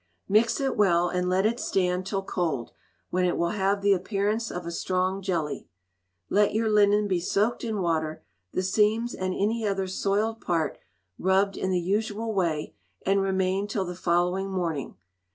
Mix it well, and let it stand till cold, when it will have the appearance of a strong jelly. Let your linen be soaked in water, the seams and any other soiled part rubbed in the usual way, and remain till the following morning.